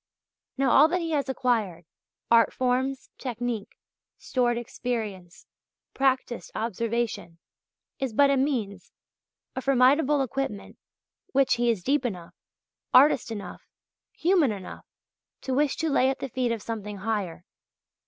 Now all that he has acquired art forms, technique, stored experience, practised observation is but a means, a formidable equipment which he is deep enough, artist enough, human enough, to wish to lay at the feet of something higher.